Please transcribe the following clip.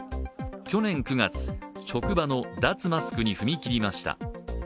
去年９月、職場の脱マスクに踏み切りました。